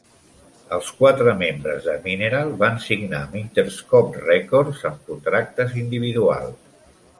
Els quatre membres de Mineral van signar amb Interscope Records amb contractes individuals.